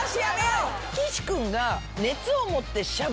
岸君が。